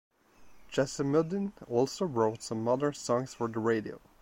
Jasimuddin also wrote some modern songs for the radio.